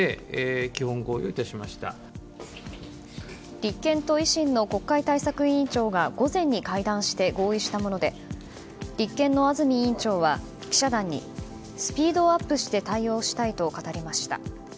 立憲と維新の国会対策委員長が午前に会談して、合意したもので立憲の安住委員長は記者団にスピードアップして対応したいと語りました。